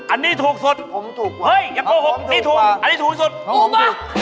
อันนี้ถูกสุดเห้ยอย่าโกหกอันนี้ถูกอันนี้ถูกสุดถูกปะ